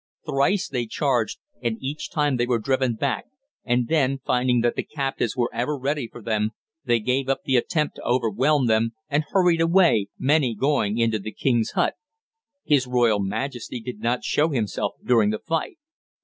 Thrice they charged, and each time they were driven back, and then, finding that the captives were ever ready for them, they gave up the attempt to overwhelm them, and hurried away, many going into the king's hut. His royal majesty did not show himself during the fight.